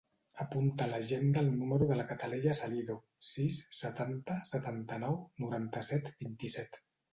Apunta a l'agenda el número de la Cataleya Salido: sis, setanta, setanta-nou, noranta-set, vint-i-set.